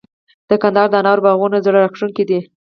د کندهار د انارو باغونه زړه راښکونکي دي.